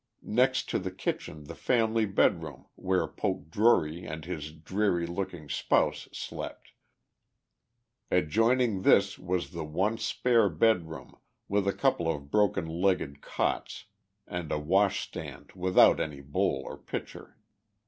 Next to the kitchen the family bed room where Poke Drury and his dreary looking spouse slept. Adjoining this was the one spare bed room, with a couple of broken legged cots and a wash stand without any bowl or pitcher.